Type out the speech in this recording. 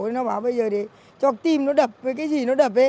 nó bảo bây giờ để cho tim nó đập với cái gì nó đập ấy